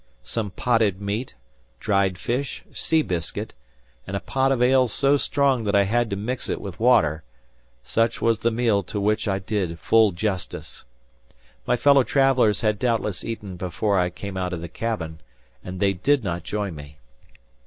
Some potted meat, dried fish, sea biscuit, and a pot of ale so strong that I had to mix it with water, such was the meal to which I did full justice. My fellow travelers had doubtless eaten before I came out of the cabin, and they did not join me.